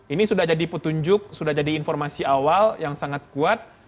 ini sudah jadi petunjuk sudah jadi informasi awal yang sangat kuat